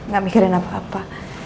gak mikirin apa apa